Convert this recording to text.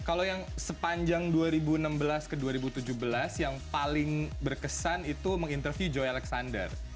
kalau yang sepanjang dua ribu enam belas ke dua ribu tujuh belas yang paling berkesan itu mengintervie joy alexander